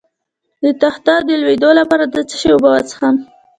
د تخه د لوییدو لپاره د څه شي اوبه وڅښم؟